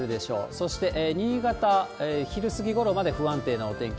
そして新潟、昼過ぎごろまで不安定なお天気。